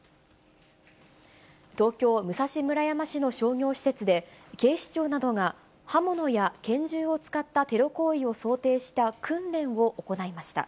東京・武蔵村山市の商業施設で、警視庁などが、刃物や拳銃を使ったテロ行為を想定した訓練を行いました。